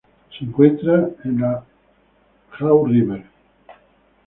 Se encuentra en la Haw River.